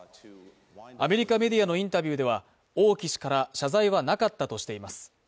アメリカメディアのインタビューでは、王毅氏から謝罪はなかったとしています。